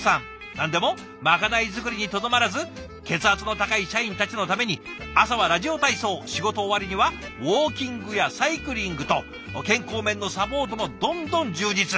何でもまかない作りにとどまらず血圧の高い社員たちのために朝はラジオ体操仕事終わりにはウォーキングやサイクリングと健康面のサポートもどんどん充実。